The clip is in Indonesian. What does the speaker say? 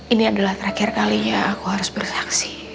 ini adalah terakhir kalinya aku harus beri saksi